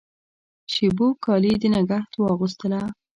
شېبو کالي د نګهت واغوستله